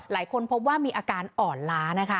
หลายคนพบว่ามีอาการอ่อนล้านะคะ